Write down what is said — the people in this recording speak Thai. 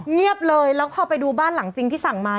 เงียบเลยแล้วพอไปดูบ้านหลังจริงที่สั่งมา